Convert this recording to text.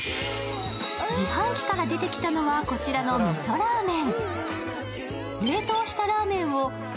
自販機から出てきたのはこちらのみそラーメン。